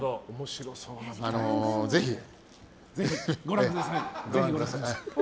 ぜひご覧ください。